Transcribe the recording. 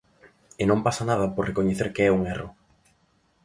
E non pasa nada por recoñecer que é un erro.